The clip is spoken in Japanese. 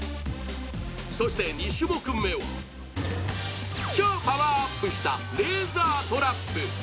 そして２種目めは、超パワーアップしたレーザートラップ。